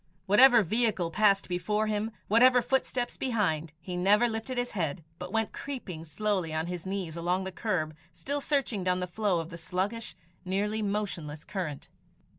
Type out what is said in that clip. Whatever vehicle passed before him, whatever footsteps behind, he never lifted his head, but went creeping slowly on his knees along the curb still searching down the flow of the sluggish, nearly motionless current.